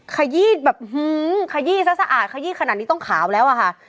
ขยี้แบบขยี้ซะสะอาดขยี้ขนาดนี้ต้องขาวแล้วอะค่ะ